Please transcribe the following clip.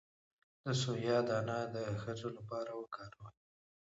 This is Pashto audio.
د سویا دانه د ښځو لپاره وکاروئ